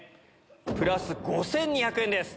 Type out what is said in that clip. プラス５２００円です